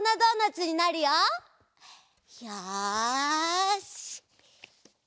よし！